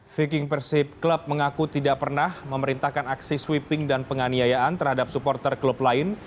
viking persib club mengaku tidak pernah memerintahkan aksi sweeping dan penganiayaan terhadap supporter klub lain